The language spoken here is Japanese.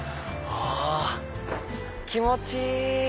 あ気持ちいい！